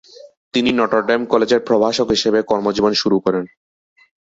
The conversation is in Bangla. তিনি নটর ডেম কলেজের প্রভাষক হিসেবে কর্মজীবন শুরু করেন।